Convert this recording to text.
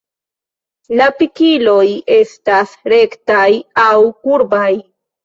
La pikiloj estas rektaj aŭ kurbaj.